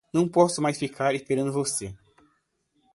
Não posso mais ficar esperando você.